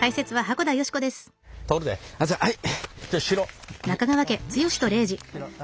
はい。